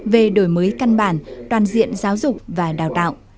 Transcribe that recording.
về đổi mới căn bản toàn diện giáo dục và đào tạo